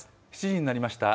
７時になりました。